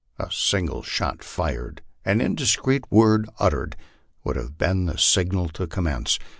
A single shot fired, an indiscreet word uttered, would have been the signal to commence.